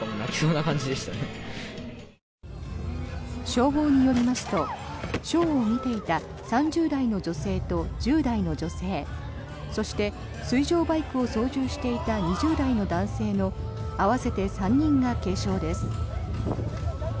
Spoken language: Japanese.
消防によりますとショーを見ていた３０代の女性と１０代の女性そして水上バイクを操縦していた２０代の男性の合わせて３人が軽傷です。